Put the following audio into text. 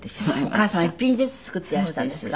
お母様一品ずつ作ってらしたんですか？